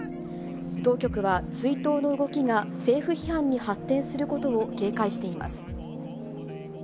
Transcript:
当局は、追悼の動きが政府批判に発展することを警戒しています。